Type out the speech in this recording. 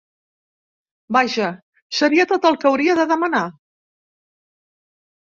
Vaja, seria tot el que hauria de demanar!